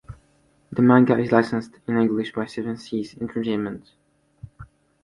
The manga is licensed in English by Seven Seas Entertainment.